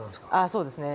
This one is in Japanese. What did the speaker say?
そうですね。